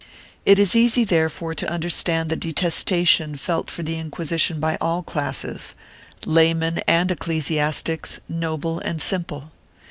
It is easy therefore to understand the detestation felt for t!ie Inquisition by all classes — laymen and ecclesiastics, noble and simple.